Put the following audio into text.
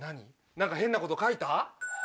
何か変なこと書いた？